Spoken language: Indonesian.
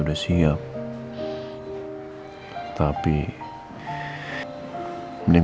lalu aku mau kemana